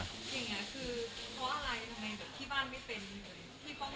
อย่างเงี้ยคือเพราะอะไรทำไมแบบที่บ้านไม่เต็มเลย